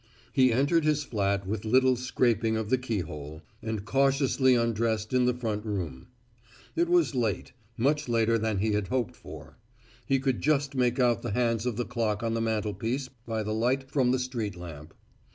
He entered his flat with little scraping of the keyhole, and cautiously undressed in the front room. It was late much later than he had hoped for. He could just make out the hands of the clock on the mantelpiece by the light from the street lamp.